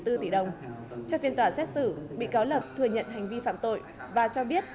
trong phiên tòa xét xử bị cáo lập thừa nhận hành vi phạm tội và cho biết